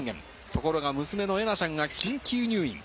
ところが娘のえなちゃんが緊急入院。